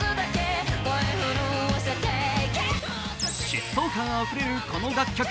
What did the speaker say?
疾走感あふれるこの楽曲。